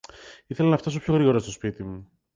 Ήθελα να φθάσω πιο γρήγορα στο σπίτι μου